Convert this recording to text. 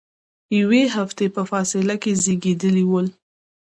یوې هفتې په فاصله کې زیږیدلي ول.